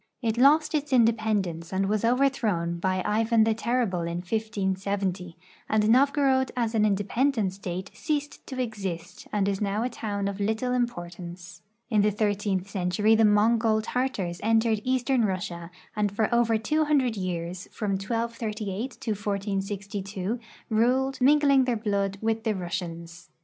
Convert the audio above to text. It lost its independence and was overthrown hy Ivan the Terrible in 1570, and Novgorod as an independent State ceased to exist and is now a town of little importance. In the thirteenth century the ^Mongol Tartars entered eastern Russia and for over 200 years, from 1238 to 1462, ruled, mingling their blood with the Russians.